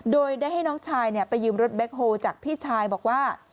โดยได้ให้น้องชายไปยืมรถแบ็คโฮลจากพี่ชายบอกว่า